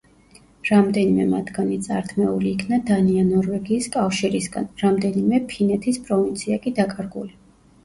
რამდენიმე მათგანი წართმეული იქნა დანია-ნორვეგიის კავშირისგან, რამდენიმე ფინეთის პროვინცია კი დაკარგული.